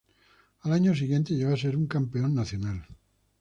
Al año siguiente llegó a ser un campeón nacional.